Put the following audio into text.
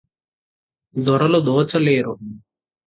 దొరలు దోచలేరు